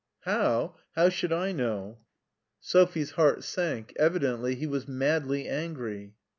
How should I know." Sophie's heart sank— evidently he was madly angry.